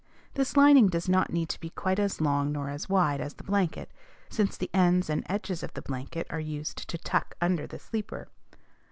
This lining does not need to be quite as long nor as wide as the blanket, since the ends and edges of the blanket are used to tuck under the sleeper.